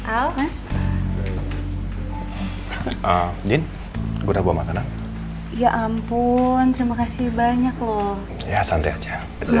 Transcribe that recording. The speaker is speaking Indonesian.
almas ah jin gue mau makanan ya ampun terima kasih banyak loh ya santai aja